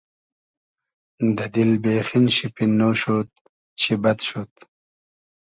دۂ دیل بېخین شی پیننۉ شود چی بئد شود